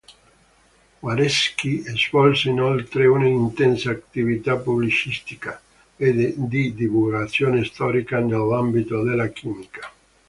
Guareschi svolse inoltre una intensa attività pubblicistica e di divulgazione storica nell'ambito della chimica.